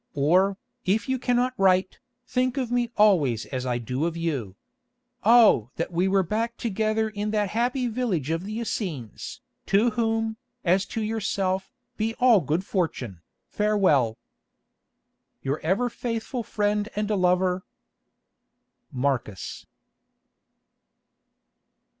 Or, if you cannot write, think of me always as I do of you. Oh, that we were back together in that happy village of the Essenes, to whom, as to yourself, be all good fortune! Farewell. "Your ever faithful friend and lover, "Marcus."